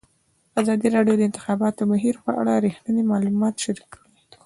ازادي راډیو د د انتخاباتو بهیر په اړه رښتیني معلومات شریک کړي.